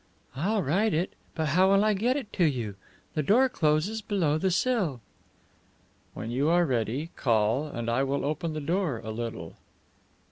"I'll write it, but how will I get it to you? The door closes below the sill." "When you are ready, call, and I will open the door a little."